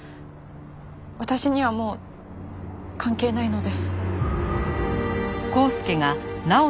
私にはもう関係ないので。